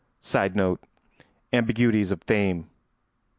[Sidenote: Ambiguities of fame.